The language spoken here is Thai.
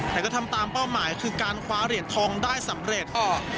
แต่ก็ทำตามเป้าหมายคือการคว้าเหรียญทองได้สำเร็จออก